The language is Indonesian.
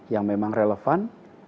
yang memang relevan